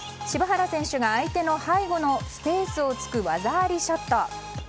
柴原選手が相手の背後のスペースを突く技ありショット。